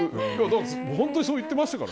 本当にそう言ってましたか。